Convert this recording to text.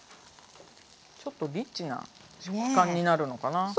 ちょっとリッチな食感になるのかな？